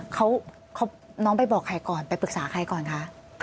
เขาน้องไปบอกใครก่อนไปปรึกษาใครก่อนคะ